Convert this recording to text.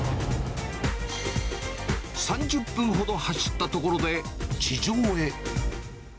３０分ほど走ったところで、地上へ。